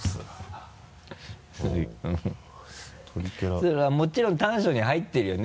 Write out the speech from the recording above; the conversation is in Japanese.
それはもちろん短所に入ってるよね？